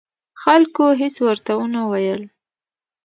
خلکو هېڅ ورته ونه ویل.